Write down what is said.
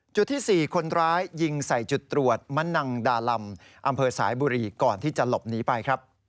ที่๔คนร้ายยิงใส่จุดตรวจมะนังดาลำอำเภอสายบุรีก่อนที่จะหลบหนีไปครับ